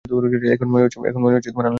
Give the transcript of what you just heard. এখন মনে হচ্ছে আনলেও হত!